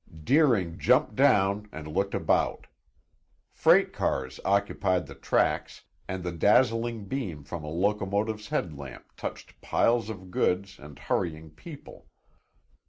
Deering jumped down and looked about. Freight cars occupied the tracks and the dazzling beam from a locomotive's headlamp touched piles of goods and hurrying people.